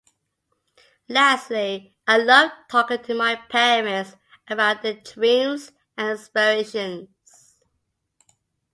Lastly, I love talking to my parents about their dreams and aspirations.